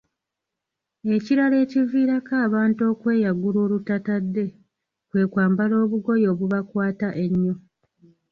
Ekirala ekiviirako abantu okweyagula olutatadde kwe kwambala obugoye obubakwata ennyo.